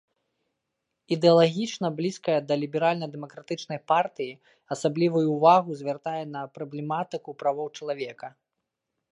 Ідэалагічна блізкая да ліберальна-дэмакратычнай партыі, асаблівую ўвагу звяртае на праблематыку правоў чалавека.